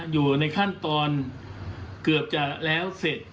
อยู่ในขั้นตอนเกือบจะแล้วเสร็จ